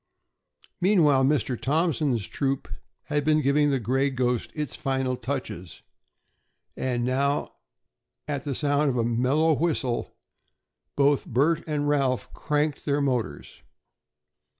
Meanwhile, Mr. Thompson's troop had been giving the "Gray Ghost" its final touches, and now, at the sound of a mellow whistle, both Bert and Ralph cranked their motors.